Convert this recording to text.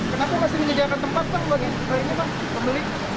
kenapa masih menyediakan tempat bagi pemilik